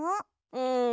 うん。